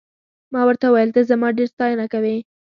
ما ورته وویل ته زما ډېره ستاینه کوې.